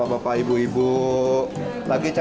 oh baru lihat lihat aja